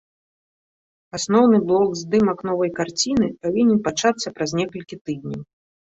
Асноўны блок здымак новай карціны павінен пачацца праз некалькі тыдняў.